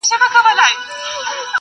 په هینداره کي انسان ته